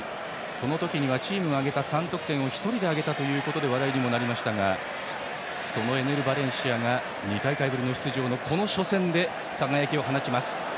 その時にはチームが挙げた３得点を１人で挙げたことでも話題になりましたがそのエネル・バレンシアが２大会ぶりの出場のこの初戦で輝きを放ちます。